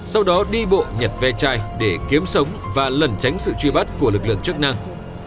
sau đó đi bộ nhật ve chai để kiếm sống và lẩn tránh sự truy bắt của lực lượng chức năng